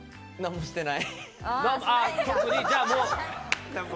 何もしてない。